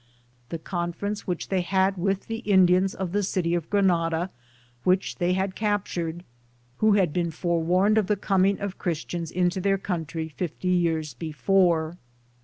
The conference which they had with the Indiana of the city of Granada, which they had captured, who had been forewarned of the coming of Christians into their country fifty yean before.